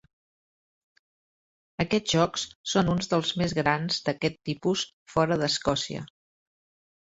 Aquests Jocs són uns dels més grans d'aquest tipus fora d'Escòcia.